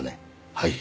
はい。